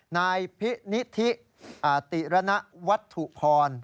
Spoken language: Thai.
นายผิ๊นิธิอาติรณวัฒร์ถุภร